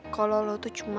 kalau lo tuh cuma